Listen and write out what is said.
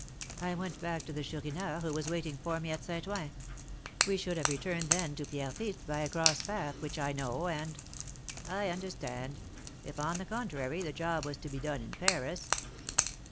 I went back to the Chourineur, who was waiting for me at St. Ouen. We should have returned then to Pierrefitte, by a cross path which I know, and " "I understand. If, on the contrary, the job was to be done in Paris?"